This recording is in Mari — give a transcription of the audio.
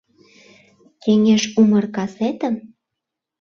Кеҥеж умыр касетым?